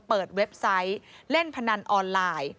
เว็บไซต์เล่นพนันออนไลน์